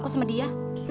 aku sama dia